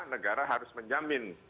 negara harus menjamin